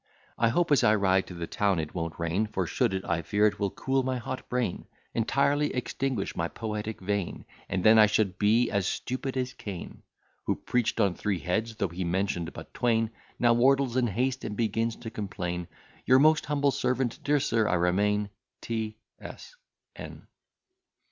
I hope, as I ride to the town, it won't rain; For, should it, I fear it will cool my hot brain, Entirely extinguish my poetic vein; And then I should be as stupid as Kain, Who preach'd on three heads, though he mention'd but twain. Now Wardel's in haste, and begins to complain; Your most humble servant, dear Sir, I remain, T. S. N.